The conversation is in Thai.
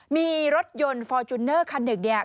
มีรถยนต์ฟอร์จูเนอร์คันหนึ่งเนี่ย